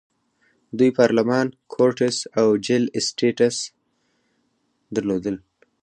دوی پارلمان، کورټس او جل اسټټس درلودل.